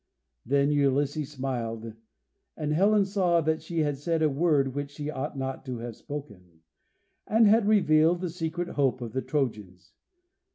Then Ulysses smiled, and Helen saw that she had said a word which she ought not to have spoken, and had revealed the secret hope of the Trojans.